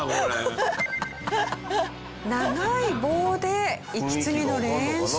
長い棒で息継ぎの練習。